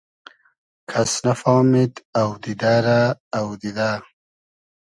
کئس نئفامید اۆدیدۂ رۂ اۆدیدۂ